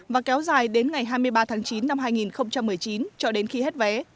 và kéo dài đến ngày hai mươi ba tháng chín năm hai nghìn một mươi chín cho đến khi hết vé